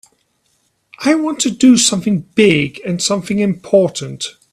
I want to do something big and something important.